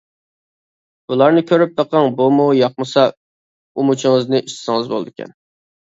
بۇلارنى كۆرۈپ بېقىڭ بۇمۇ ياقمىسا ئۇمىچىڭىزنى ئىچسىڭىز بولىدىكەن.